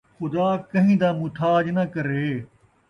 خدا کہیں دا مُتھاج ناں کرے